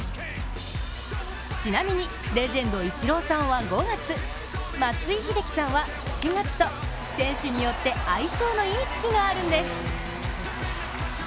ちなみに、レジェンドイチローさんは５月松井秀喜さんは７月と選手によって、相性のいい月があるんです。